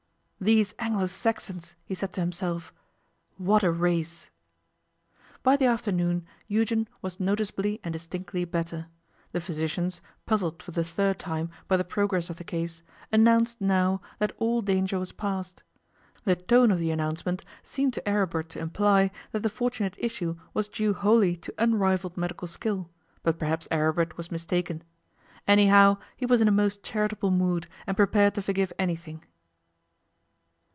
'These Anglo Saxons,' he said to himself, 'what a race!' By the afternoon Eugen was noticeably and distinctly better. The physicians, puzzled for the third time by the progress of the case, announced now that all danger was past. The tone of the announcement seemed to Aribert to imply that the fortunate issue was due wholly to unrivalled medical skill, but perhaps Aribert was mistaken. Anyhow, he was in a most charitable mood, and prepared to forgive anything.